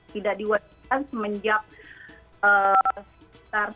tidak diharuskan semenjak start up